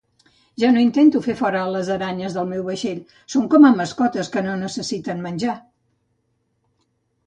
Ja no intento fer fora a les aranyes del meu vaixell, són com a mascotes que no necessiten menjar.